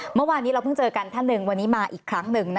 เมื่อวานนี้เราเพิ่งเจอกันท่านหนึ่งวันนี้มาอีกครั้งหนึ่ง